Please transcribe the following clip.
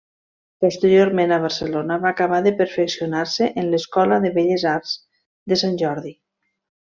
Posteriorment a Barcelona va acabar de perfeccionar-se en l'Escola de Belles Art de Sant Jordi.